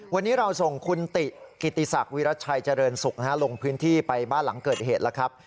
วันนี้เราส่งคุณติกิติศักดิ์วิรัชัยเจริญสุขลงพื้นที่ไปบ้านหลังเกิดเหตุแล้วครับ